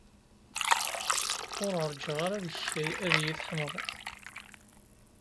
Ur rjiɣ ara deg-k ad iyi-tḥemmleḍ.